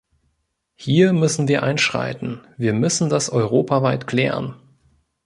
Hier müssen wir einschreiten, wir müssen das europaweit klären.